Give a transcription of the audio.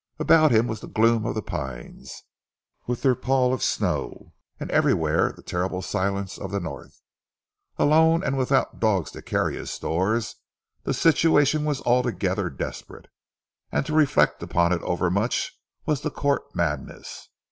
About him was the gloom of the pines, with their pall of snow, and everywhere the terrible silence of the North. Alone and without dogs to carry his stores, the situation was altogether desperate; and to reflect upon it overmuch was to court madness.